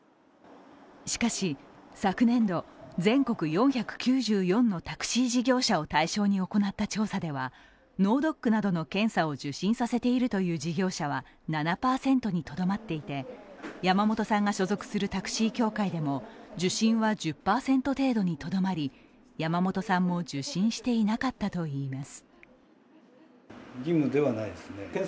しかし昨年度、全国４９４のタクシー事業者を対象に行った調査では脳ドックなどの検査を受診させているという事業者は７％にとどまっていて、山本さんが所属するタクシー協会でも受診は１０％程度にとどまり、山本さんも受診していなかったといいます。